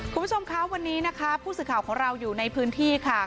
คุณผู้ชมคะวันนี้นะคะผู้สื่อข่าวของเราอยู่ในพื้นที่ค่ะ